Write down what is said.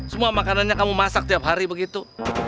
semua makanannya kamu masak tiap hari begitu